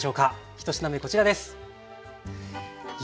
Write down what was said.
１品目こちらです。